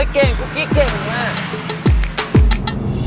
เก่งคุกกี้เก่งมาก